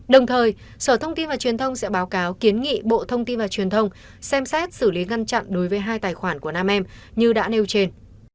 đồng thời sở thông tin và truyền thông sẽ báo cáo kiến nghị bộ thông tin và truyền thông xem xét xử lý ngăn chặn đối với hai tài khoản của nam em như đã nêu trên